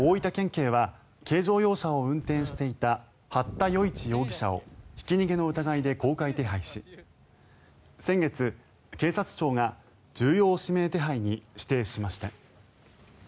警は軽乗用車を運転していた八田與一容疑者をひき逃げの疑いで公開手配し先月、警察庁が重要指名手配に指定しました。